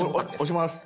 押します。